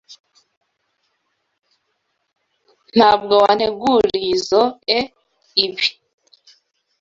Ntabwo wantegurizoe ibi.